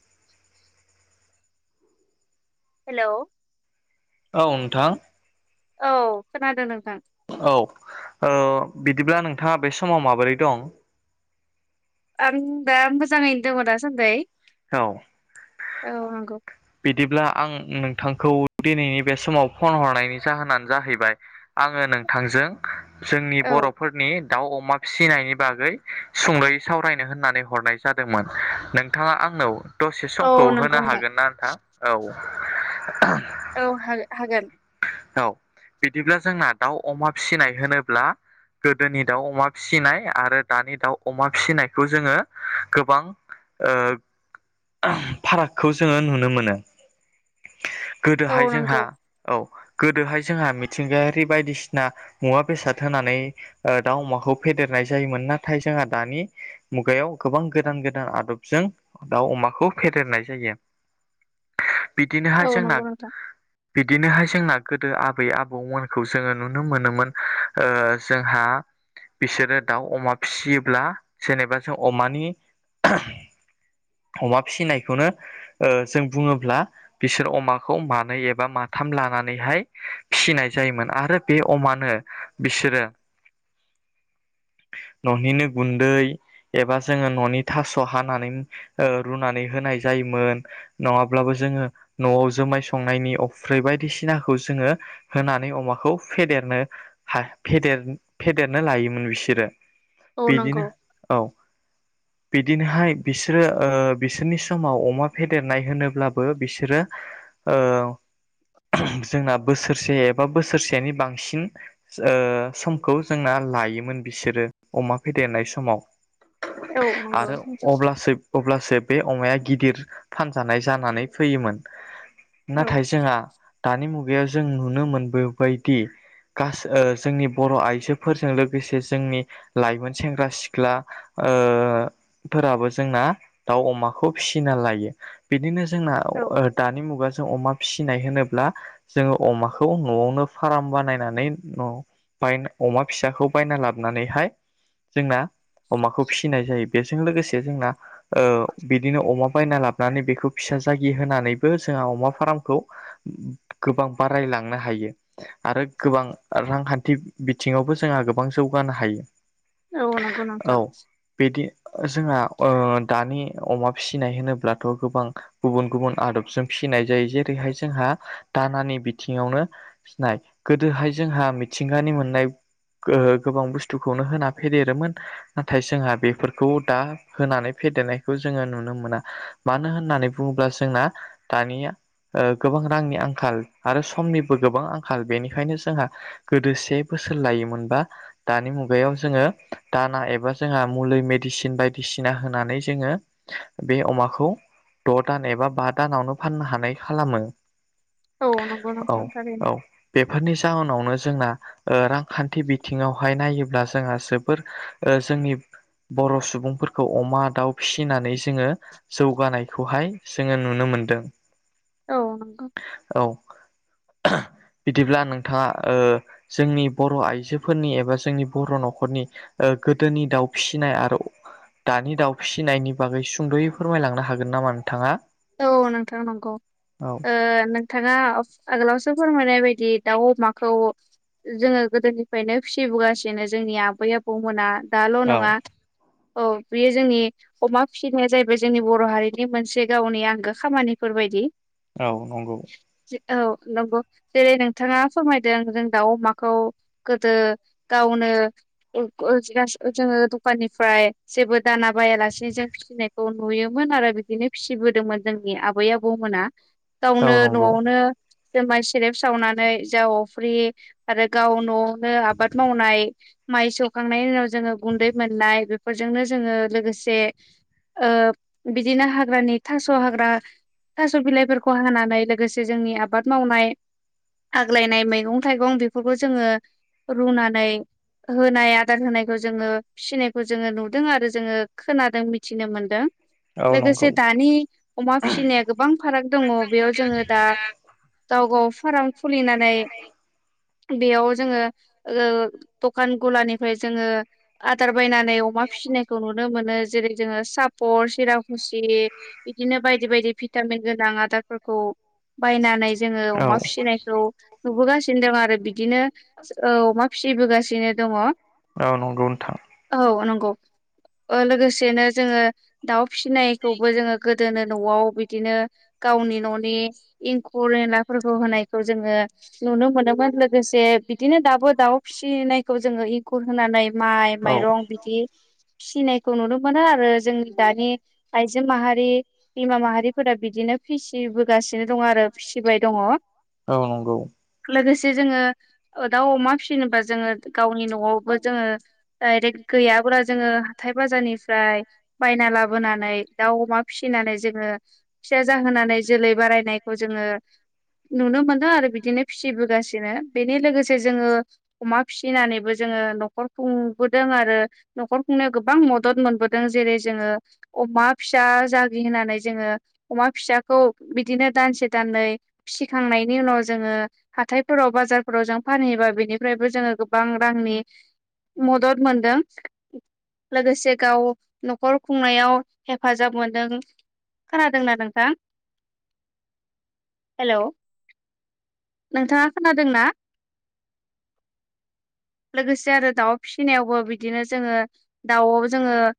[inaudible] Hello औ नोंथां। औ खोनादों नों औ ओ बिदिब्ला नोंथाङा बे समाव माबोरै दं? आं दा मोजाङैनो दङ दासान्दै। औ। औ नंगौ बिदिब्ला आं नोंथांखौ दिनैनि बे समाव फन हरनायनि जाहोनानो जाहैबाय आङो नोंथांजों जोंनि औ बर'फोरनि दाउ अमा फिसिनायनि बागै सुङै सावरायनो होननानै हरनाय जादोंमोन नोंथाङा आंनाव दसे औ समखौ नंगौ होनो नोंथां हागोन ना?? नोंथां औ [unintelligible] औ हा हागोन। औ बिदिब्ला जोंना दाउ अमा फिसिनाय होनोब्ला गोदोनि दाउ अमा फिसिनाय आरो दानि दाउ अमा फिसिनायखौ जोङो गोबां ओ [unintelligible] फारागखौ जोङो नुनो मोनो। औ गोदोहाय जोंहा नंगौ औ गोदोहाय जोंहा मिथिंगायारि बायदिसिना मुवा बेसाद होनानै ओदाउ अमाखौ फेदेरना नाय जायोमोन नाथाय जोंहा दानि मुगायाव गोबां गोदान गोदान आदबजों दाउ अमाखौ फेदेरनाय जायो बिदिनोहाय औ जोंना नंगौ नोंथां बिदिनोहाय जोंना गोदो आबै आबौमोनखौ जोङो नुनो मोनोमोन ओ जोंहा बिसोरो दाउ अमा फिसियोब्ला जेनेबा जों अमानि अमा फिसिनायखौनो ओ जों बुङोब्ला बिसोर अमाखौ मानो एबा मा थाम लानानैहाय फिसिनाय जायोमोन आरो बे अमानो बिसोरो न'निनो गुन्दै एबा जोङो न'नि थास' हानानै ओ रुनानै होनाय जायोमोन नङाब्लाबो जोङो न'आव जुमाय संनायनि अफ्रै बायदिसिना खौ जोङो होनानै अमाखौ फेदेरनोे हा फेदेर-फेदेरनो लायोमोन बिसोरो औ बिदिनो नंगौ औ बिदिनोहाय बिसोरो ओ बिसोरनि समाव अमा फेदेरनाय होनोब्लाबो बिसोरो ओ जोंना बोसोरसे एबा बोसोरसेनि बांसिन ओ समखौ जोंना लायोमोन बिसोरो अमा फेदेरनाय समाव औ नंगौ आरो नोंथां अब्लासो अब्लासो बे अमाया गिदिर फानजानाय जानानै फैयोमोन औ नाथाय जोंहा दानि मु गायाव जों नुनो मोनबोबायदि गासै जोंनि बर' आइजोफोरजों लोगोसे जोंनि लाइमोन सेंग्रा सिख्ला ओ फोराबो जोंना दाउ अमाखौ फिसिना लायो बिदिनो जोंना औ ओ दानि मुगा जों अमा फिसिनाय होनोब्ला जोङो अमाखौ न'आवनो फाराम बानायनानै बाय अमा फिसाखौ बायना लाबोनां नानैहाय जोंना अमाखौ फिसिनाय जायो बेजों लोगोसे जोंना ओ बिदिनो अमा बायना लाबोनानै बेखौ फिसा जागि होनानैबो जोंहा अमा फार्मखौ गोबां बारायलांनो हायो आरो गोबां रांखान्थि बिथिङावबो जोंहा गोबां जौ गानो हायो औ नंगौ औ नोंथां बिदि जोंहा ओ दानि अमा फिसिनाय होनोब्लाथ' गोबां गुबुन गुबुन आदबजों फिसि नाय जेरैहाय जोंहा दानानि बिथिङावनो नाय गोदोहाय जोंहा मिथिंगानि मोननाय गो-गोबां बुस्थुखौनो होना फेदेरोमोन नाथाय जोंहा बेफोरखौ दा होनानै फेदेरनायखौ जोङो नुनो मोना मानो होननानै बुङोब्ला जोंना दानिया ओ गोबां रांनि आं खाल आरो समनिबो गोबां आंखाल बेनिखायनो जोंहा गोदो से बोसोर लायोमोनबा दानि मुगायाव जोङो दाना एबा जोंहा मुलि मेडिसिन बायदिसिना होनानै जोङो बे अमाखौ द' दान एबा बा दानावनो फाननो हानाय खालामो औ नंगौ औ नोंथां औ बेफोरनि जाहोनावनो जोंना ओ रांखान्थि बिथिङावहाय नायोब्ला जोंहा जोबोर ओ जोंनि बर' सुबुंफोरखौ अमा दाउ फिसिनानै जोङो जौगानायखौहाय जोङो नुनो मो मोनदों औ [unintelligible] बिदिब्ला नोंथाङा ओ जोंनि बर' आइजोफोरनि एबा जोंनि बर' न'खरनि गोदोनि दाउ फिसिनाय आरो दानि दाउ फिसिनायनि बागै सुंद'यै फोरमायलांनो हागोन नामा नोंथाङा औ नोंथां नंगौ औ नोंथाङा आगोलावसो फोरमायनाय बायदि दाउ अमाखौ जोङो गोदोनिफ्रायनो फिसिबोगासिनो जोंनि आबै आबौमोना दाल' औ नङा औ बेयो जोंनि अमा फिसिनाया जाहैबाय जोंनि बर' हारिनि मोनसे गावनि आंगो खामानिफोरबायदि औ नंगौ। औ नंगौ जेरै नोंथाङा फोरमायदों जों दाउ अमाखौ गोदो गावनो जोङो [unintelligible] दखाननिफ्राय जेबो दाना बायालासेनो जों फिसिनायखौ नुयोमोन आरो बिदिनो फिसिबोदोंमोन जोंनि आबै आबौमोना औ गावनो नंगौ न'आवनो जुमाय सेरेब सावनानै जौ अफ्रि आरो गाव नवावनो आबाद मावनाय माइ सौखांनायनि उनाव जोङो गुन्दै मोननाय बेफोरजोंनो जोङो लोगोसे ओ बिदिनो हाग्रानि थास' हाग्रा थास' बिलाइफोरखौ हानानै लोगोसे जोंनि आबाद मावनाय आग्लायनाय मैगं थाइगं बेफोरखौ जोङो रुनानै होनाय आदार होनायखौ जोङो फिसिनायखौ जोङो नुदों आरो जोङो खोनादों मिथिनो मोनदों औ नंगौ लोगोसे दानि अमा फिसिनाया गोबां फाराग दङ बेयाव जोङो दा गाव गाव फाराम खुलिनानै बेयाव जोङो दखान गलानिफ्राय जोङो आदार बायनानै अमा फिसिनायखौ नुनो मोनो जेरै जोङो सापर सिराखुसि बिदिनो बायदि बायदि भिटामिन गोनां आदारफोरखौ बायनानै जोङो औ अमा फिसिनायखौ नुबोगासिनो दं आरो बि दिनो औ अमा फिसिबोगासिनो दङ। औ नंगौ नोंथां। नंगौ औ लोगोसेनो जोङो दाउ फिसिनायखौ जोङो गोदोनो न'आव बिदिनो गावनि न'नि एंखुर एनलाफोरखौ होनायखौ जोङो नुनो मोनोमोन लोगोसे बिदिनो दाबो दाव फिसिनायखौ जोङो इंखुर होनानै माइ औ माइरं बिदि फिसिनायखौ नुनो मोनो आरो जोंनि दानि आइजो माहारि बिमा माहारिफोरा बिदिनो फिसिबोगासिनो दङ आरो फिसिबाय दङ। औ नंगौ। लोगोसे जोङो दाउ अमा फिसिनोबा जोङो गावनि नवावबो जोङो डायरेक गैयाब्ला जोङो हाथाय बाजारनिफ्राय बायना लाबोनानै दाउ अमा फिसिनानै जोङो फिसा जाहोनानै जोलै बारायनायखौ जोङो। नुनो मोनो आरो बिदिनो फिसिबोगासिनो बेनि लोगोसे जोङो अमा फिसिनानैबो जो ङो न'खर खुंबोदों आरो न'खर खुंनायाव गोबां मदद मोनबोदों जेरै जोङो अमा फिसा जागि होननानै जोङो अमा फिसाखौ बिदिनो दानसे दाननै फिसिखांनाय नि उनाव जोङो हाइथायफोराव बाजारफोराव जों फानहैयोबा बिनिफ्रायबो जोङो गोबां रांनि मदद मोनदों लोगोसे गाव न'खर खुंनायाव हेफाजाब मोनदों खोनादोंना नोंथां? हेलौ नोंथाङा खोनादोंना? लोगोसे आरो दाउ फिसिनायावबो बिदिनो जोङो दाउआव जोङो